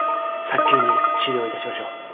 早急に治療いたしましょう。